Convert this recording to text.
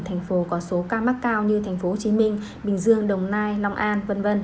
thành phố có số ca mắc cao như tp hcm bình dương đồng nai long an v v